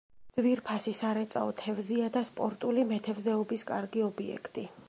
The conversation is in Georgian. ძვირფასი სარეწაო თევზია და სპორტული მეთევზეობის კარგი ობიექტი.